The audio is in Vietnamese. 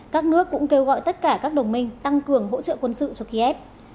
các nước cũng kêu gọi tất cả các đồng minh tăng cường hỗ trợ quân sự cho kiev